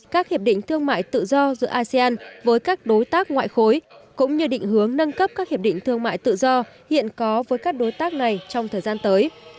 các hiệp định thương mại tự do giữa asean với các đối tác ngoại khối cũng như định hướng nâng cấp các hiệp định thương mại tự do hiện có với các đối tác này trong thời gian tới